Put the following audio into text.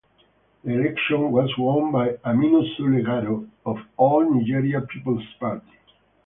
The election was won by Aminu Sule Garo of the All Nigeria Peoples Party.